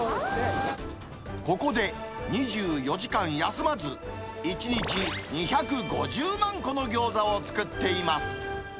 ここで２４時間休まず、１日２５０万個のギョーザを作っています。